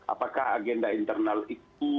apakah agenda internal itu